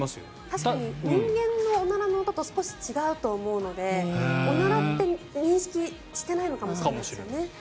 確かに人間のおならの音と少し違うと思うのでおならって認識してないのかもしれないですね。